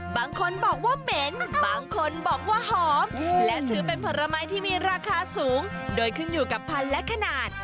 บางคนบอกว่าเหม็นบางคนบอกว่าหอมและถือเป็นผลไม้ที่มีราคาสูงโดยขึ้นอยู่กับพันธุ์และขนาด